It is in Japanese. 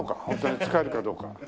ホントに使えるかどうか。